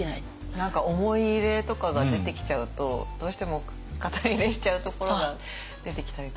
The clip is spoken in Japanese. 何か思い入れとかが出てきちゃうとどうしても肩入れしちゃうところが出てきたりとか。